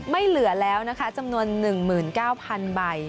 เหลือแล้วนะคะจำนวน๑๙๐๐๐ใบ